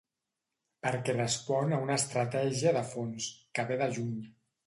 Perquè respon a una estratègia de fons, que ve de lluny.